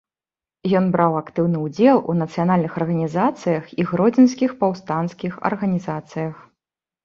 Ён браў актыўны ўдзел у нацыянальных арганізацыях і гродзенскіх паўстанцкіх арганізацыях.